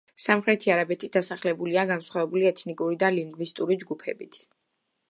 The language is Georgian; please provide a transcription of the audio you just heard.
სამხრეთი არაბეთი დასახლებულია განსხვავებული ეთნიკური და ლინგვისტური ჯგუფებით.